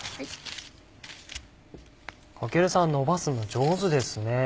駈さんのばすの上手ですね。